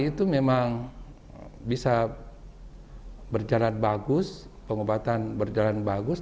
itu memang bisa berjalan bagus pengobatan berjalan bagus